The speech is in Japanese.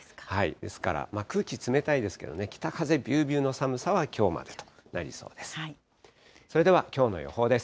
ですから、空気冷たいですけどね、北風びゅーびゅーの寒さはきょうまでとなりそうです。